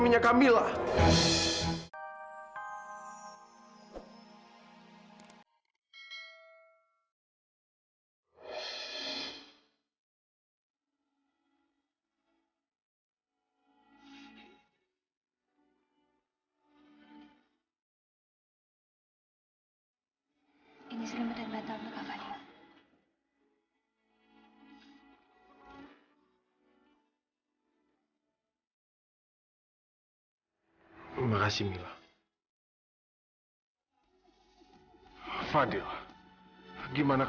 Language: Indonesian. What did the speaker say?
ya allah kakak